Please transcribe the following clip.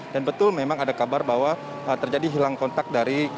dan betul memang ada kabar bahwa terjadi hilang kontak dari